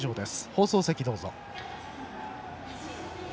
放送席、どうぞ。